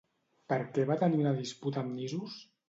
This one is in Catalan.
Per què va tenir una disputa amb Nisos?